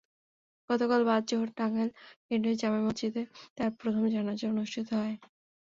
গতকাল বাদ জোহর টাঙ্গাইল কেন্দ্রীয় জামে মসজিদে তাঁর প্রথম জানাজা অনুষ্ঠিত হয়।